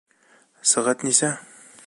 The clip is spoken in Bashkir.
Сәғәт нисә?